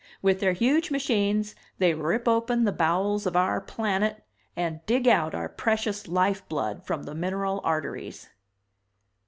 With their huge machines they rip open the bowels of our planet and dig out our precious life blood from the mineral arteries."